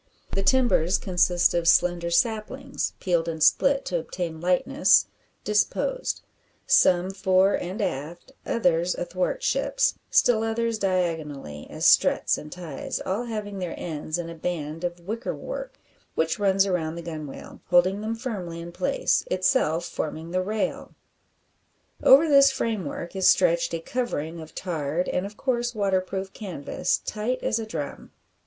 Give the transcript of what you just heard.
The timbers consist of slender saplings peeled and split to obtain lightness disposed, some fore and aft, others athwart ships, still others diagonally, as struts and ties, all having their ends in a band of wickerwork, which runs round the gunwale, holding them firmly in place, itself forming the rail. Over this framework is stretched a covering of tarred, and, of course, waterproof canvas, tight as a drum.